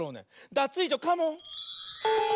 ダツイージョカモン！